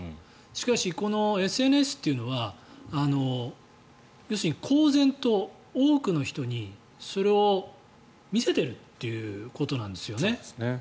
しかし、このＳＮＳというのは要するに公然と多くの人にそれを見せているということなんですよね。